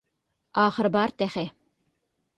ئاخىرى بار تېخى!